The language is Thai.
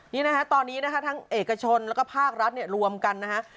นี่นะฮะตอนนี้นะคะทั้งเอกชนแล้วก็ภาครัฐเนี่ยรวมกันนะฮะ